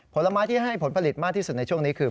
ผลไม้ที่ให้ผลผลิตมากที่สุดในช่วงนี้คือ